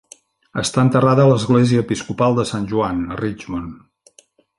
Està enterrada a l'església episcopal de Sant Joan a Richmond.